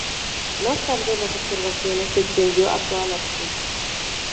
Más tarde las observaciones se extendió a toda la región.